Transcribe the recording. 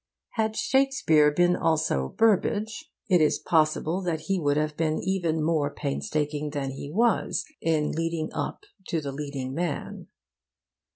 Had Shakespeare been also Burbage, it is possible that he would have been even more painstaking than he was in leading up to the leading man.